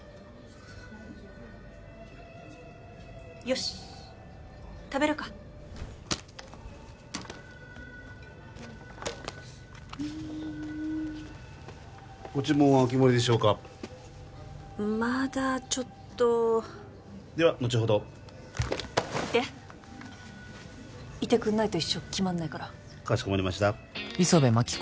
よし食べるかうんご注文はお決まりでしょうかまだちょっとではのちほどいていてくんないと一生決まんないから・かしこまりました磯部真紀子